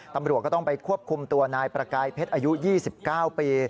ตำรวจก็ต้องไปควบคุมตัวนายประกายเพชรอายุ๒๙ปี